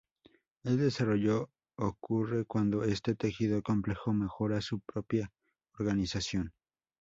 El desarrollo ocurre cuando este tejido complejo mejora su propia organización.